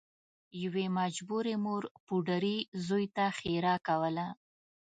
یوې مجبورې مور پوډري زوی ته ښیرا کوله